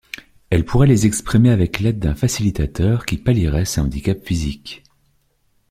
Elle pourrait les exprimer avec l'aide d'un facilitateur qui pallierait ses handicaps physiques.